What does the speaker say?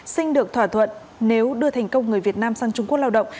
sinh được thỏa thuận nếu đưa thành công người việt nam sang trung quốc lao động